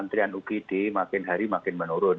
antrian ugd makin hari makin menurun